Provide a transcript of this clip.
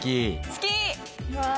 好き！